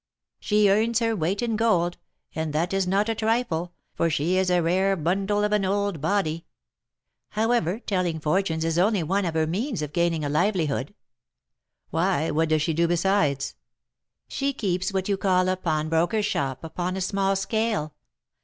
She earns her weight in gold, and that is not a trifle, for she is a rare bundle of an old body. However, telling fortunes is only one of her means of gaining a livelihood." "Why, what does she do besides?" "She keeps what you would call a pawnbroker's shop upon a small scale."